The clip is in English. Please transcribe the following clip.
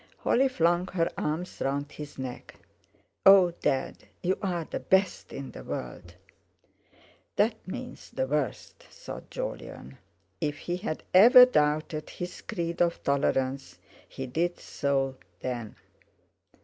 Holly flung her arms round his neck. "Oh! Dad, you are the best in the world." "That means the worst," thought Jolyon. If he had ever doubted his creed of tolerance he did so then.